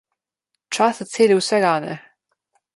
Čas zaceli vse rane.